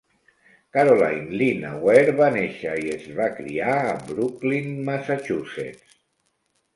Caroline "Lina" Ware va néixer i es va criar a Brookline, Massachusetts.